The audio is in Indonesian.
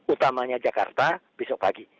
utamanya jakarta besok pagi